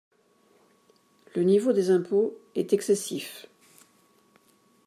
Le niveau des impôts est excessif.